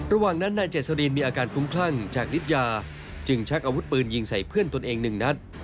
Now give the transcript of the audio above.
ระหว่างนั้นนายเจษฎีนมีอาการคุ้มคลั่งจากฤทยาจึงชักอาวุธปืนยิงใส่เพื่อนตนเองหนึ่งนัด